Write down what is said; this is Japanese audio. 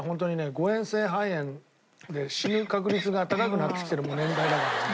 誤嚥性肺炎で死ぬ確率が高くなってきてる年代だからね。